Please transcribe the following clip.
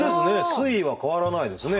推移は変わらないですね。